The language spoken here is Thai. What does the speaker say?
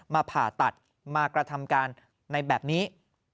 ผ่าตัดมากระทำการในแบบนี้